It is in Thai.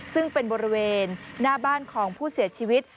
ซึ่งเป็นบริเวณหน้าบ้านของผู้เสียชีวิต